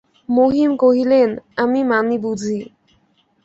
মহিম কহিলেন, আমি মানি বুঝি!